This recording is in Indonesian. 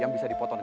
aku sudah berhenti